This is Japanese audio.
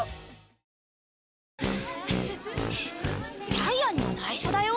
ジャイアンには内緒だよ。